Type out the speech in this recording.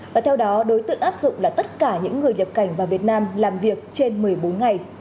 và theo đó đối tượng áp dụng là tất cả những người nhập cảnh vào việt nam làm việc trên một mươi bốn ngày